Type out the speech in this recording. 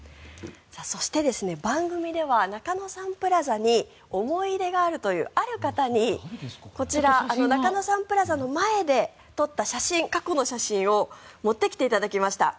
そして、番組では中野サンプラザに思い入れがあるというある方にこちら、中野サンプラザの前で撮った写真過去の写真を持ってきていただきました。